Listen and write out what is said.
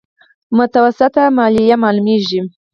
متوسطه ماليه ښکاري.